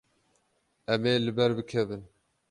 Em ê li ber bikevin.